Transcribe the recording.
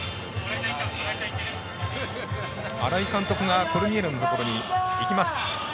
新井監督がコルニエルのところに行きます。